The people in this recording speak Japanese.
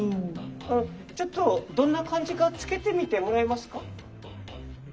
あっちょっとどんなかんじかつけてみてもらえますか？